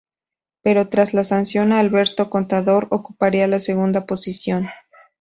Pero tras la sanción a Alberto Contador ocuparía la segunda posición.